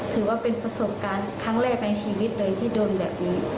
ถือว่าเป็นประสบการณ์ครั้งแรกในชีวิตเลย